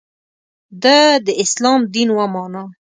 د ه داسلام دین ومانه.